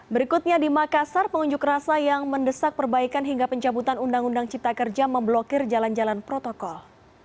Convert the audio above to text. berikutnya di makassar pengunjuk rasa yang mendesak perbaikan hingga pencabutan undang undang cipta kerja memblokir jalan jalan protokol